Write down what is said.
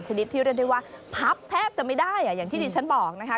ที่เรียกได้ว่าพับแทบจะไม่ได้อย่างที่ดิฉันบอกนะคะ